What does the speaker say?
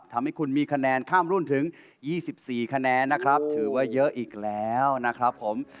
ทำให้คุณมีคะแนนข้ามรุ่นถึง๒๔คะแนนนะครับถือว่าเยอะอีกแล้วนะครับผม